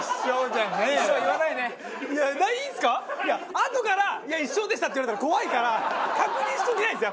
あとから「いや一生でした」って言われたら怖いから確認しておきたいんですよ